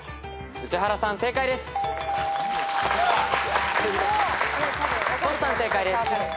宇治原さん正解です。